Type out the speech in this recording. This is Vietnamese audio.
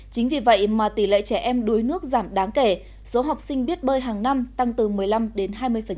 chính vì vậy mà tỷ lệ trẻ em đuối nước giảm đáng kể số học sinh biết bơi hàng năm tăng từ một mươi năm đến hai mươi